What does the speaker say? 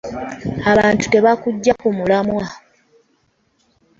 Abantu tebakuggya ku mulamwa.